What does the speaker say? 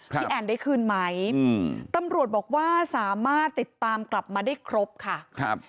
แอนได้คืนไหมอืมตำรวจบอกว่าสามารถติดตามกลับมาได้ครบค่ะครับ